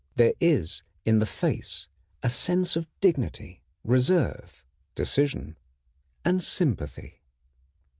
There is in the face a sense of dignity, reserve, decision, and sympathy.